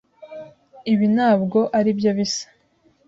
Ibi ntabwo aribyo bisa.